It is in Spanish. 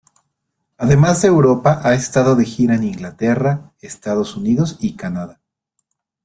Además de Europa, ha estado de gira en Inglaterra, Estados Unidos y Canadá.